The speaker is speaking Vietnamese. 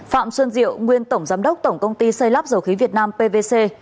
phạm xuân diệu nguyên tổng giám đốc tổng công ty xây lắp dầu khí việt nam pvc